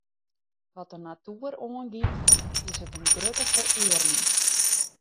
Wat de natoer oangiet, is it in grutte ferearming.